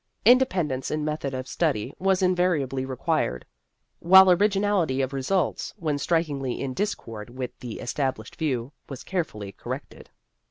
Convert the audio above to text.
Inde pendence in method of study was invari ably required, while originality of results, when strikingly in discord with the es tablished view, was carefully corrected.